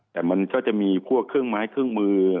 แต่มันก็จะมีพวกเครื่องไม้เครื่องมือ